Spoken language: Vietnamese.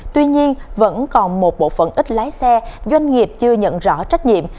tuy nhiên vẫn còn một bộ phận ít lái xe doanh nghiệp chưa nhận rõ trách nhiệm